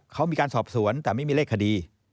เขามีการสอบสวนแต่ไม่มีเลขคดี